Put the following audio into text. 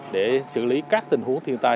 để xử lý các tình huống thiên tai